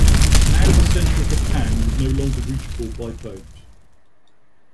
Now the centre of the town was no longer reachable by boat.